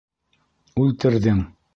Үлтерҙең.